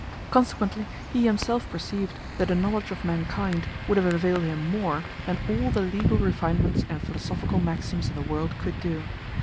Consequently he himself perceived that a knowledge of mankind would have availed him more than all the legal refinements and philosophical maxims in the world could do.